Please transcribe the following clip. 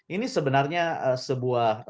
ini sebenarnya sebuah